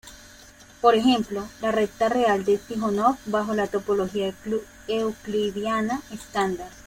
Por ejemplo, la recta real es Tíjonov bajo la topología euclidiana estándar.